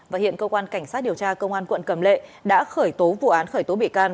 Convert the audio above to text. và hiện cơ quan cảnh sát điều tra công an quận cầm lệ đã khởi tố vụ án khởi tố bị can